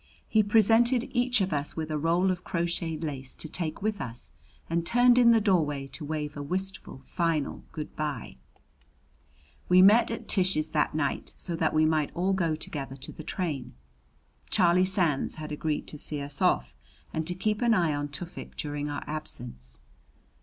He presented each of us with a roll of crocheted lace to take with us and turned in the doorway to wave a wistful final good bye. We met at Tish's that night so that we might all go together to the train. Charlie Sands had agreed to see us off and to keep an eye on Tufik during our absence.